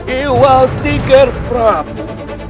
singta wakal ger prabu